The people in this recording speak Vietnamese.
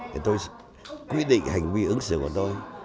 thì tôi quyết định hành vi ứng xử của tôi